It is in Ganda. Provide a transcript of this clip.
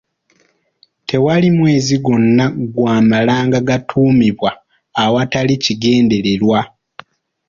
Tewali mwezi gwonna gwamalanga gatuumibwa awatali kigendererwa.